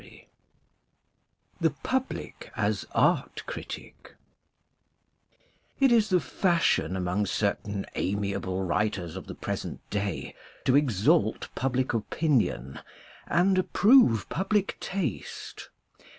R THE PUBLIC AS ART CRITIC IT is the fashion among certain amiable writers of the present day to exalt public opinion and approve public taste.